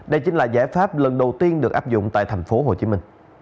đây chính là giải pháp lần đầu tiên được áp dụng tại tp hcm